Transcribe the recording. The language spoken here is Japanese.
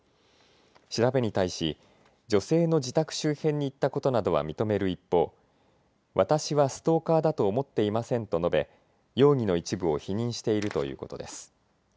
調べに対し女性の自宅周辺に行ったことなどは認める一方、私はストーカーだと思っていませんと述べ容疑の一部を否認しているということです。